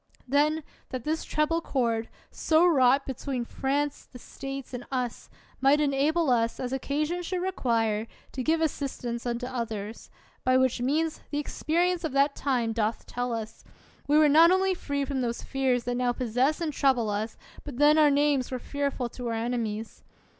Then, that this treble cord, so wrought be tween France, the States, and us, might enable us, as occasion should require, to give assistance unto others ; by which means, the experience of that time doth tell us, we were not only free from those fears that now possess and trouble us, but then our names were fearful to our enemies.